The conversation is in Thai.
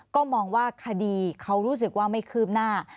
ก็มองว่าคดีเขารู้สึกว่าไม่คืบหน้า